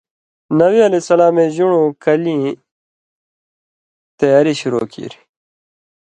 نبی علیہ سلامے ژُن٘ڑُوں کلِیں تیاری شروع کیریۡ۔